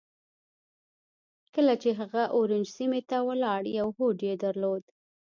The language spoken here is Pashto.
کله چې هغه اورنج سيمې ته ولاړ يو هوډ يې درلود.